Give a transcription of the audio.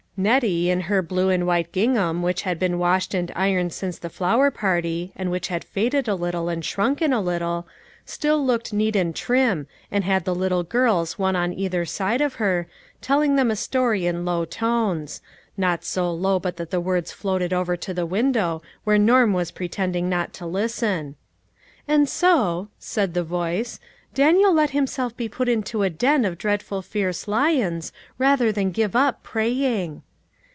Nettie in her blue and white gingham which had been washed and ironed since the flower party, and THE WAY MADE PLAIN. 353 which had faded a little and shrunken a little, still looked neat and trim, and had the little girls one on either side of her, telling them a story in low tones ; not so low but that the words floated over to the window where Norm was pretending not to listen :" And so," said the voice, " Daniel let himself be put into a den of dreadful fierce lions, rather than give up praying."